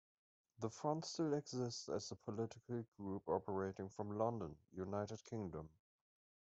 The front still exists as a political group operating from London, United Kingdom.